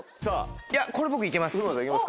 いやこれ僕行けます。